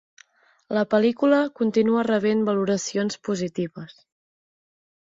La pel·lícula continua rebent valoracions positives.